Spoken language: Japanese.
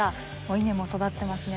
稲も育ってますね。